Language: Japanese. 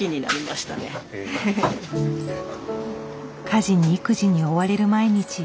家事に育児に追われる毎日。